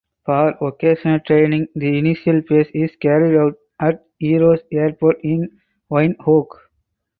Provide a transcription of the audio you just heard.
For vocational training the initial phase is carried out at Eros Airport in Windhoek.